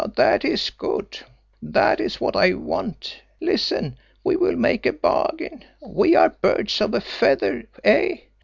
That is good! That is what I want. Listen, we will make a bargain. We are birds of a feather, eh?